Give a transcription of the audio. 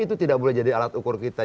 itu tidak boleh jadi alat ukur kita